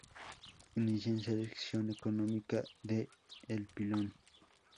Inicia en la sección económica de "El Pilón".